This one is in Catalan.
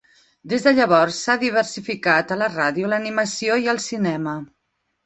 Des de llavors, s'ha diversificat a la ràdio, l'animació i el cinema.